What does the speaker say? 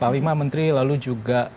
pak wima menteri lalu juga